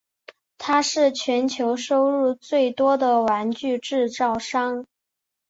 它是全球收入最多的玩具制造商。